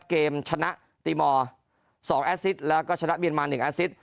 เกมชนะตีมอร์๒แอสซิดแล้วก็ชนะเมียนมา๑แอสซิต